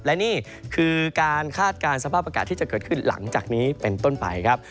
และนี่คือการคาดการณ์สภาพอากาศที่จะเกิดขึ้นหลังจากนี้เป็นต้นไปครับ